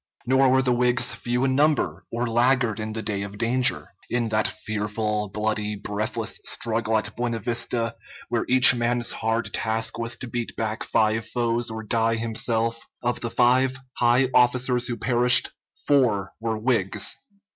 Nor were the Whigs few in number or laggard in the day of danger. In that fearful, bloody, breathless struggle at Buena Vista, where each man's hard task was to beat back five foes or die himself, of the five high officers who perished, four were Whigs.